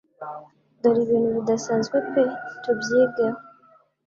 dore ibintu bidasanzwe pe tubyigeho